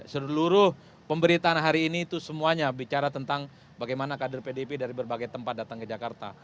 seluruh pemberitaan hari ini itu semuanya bicara tentang bagaimana kader pdip dari berbagai tempat datang ke jakarta